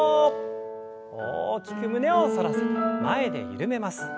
大きく胸を反らせて前で緩めます。